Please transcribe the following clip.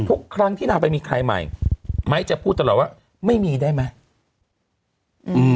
ทุกครั้งที่นางไปมีใครใหม่ไม้จะพูดตลอดว่าไม่มีได้ไหมอืม